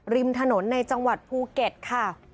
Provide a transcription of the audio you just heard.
ริมถนนในจังหวัดภูเก็ตค่ะ